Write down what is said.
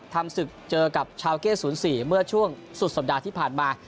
ทำศึกเจอกับชาวเก้๐๔เมื่อช่วงสุดสัปดาห์ที่ผ่านมา